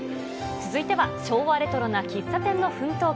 続いては、昭和レトロな喫茶店の奮闘記。